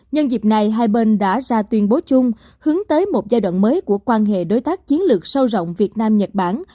nhân dịp này hai bên đã ra tuyên bố chung hướng tới một giai đoạn mới của quan hệ đối tác chiến lược sâu rộng việt nam nhật bản